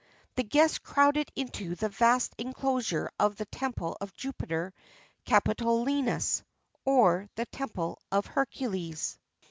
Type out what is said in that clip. [XXX 28] The guests crowded into the vast inclosure of the temple of Jupiter Capitolinus,[XXX 29] or the temple of Hercules.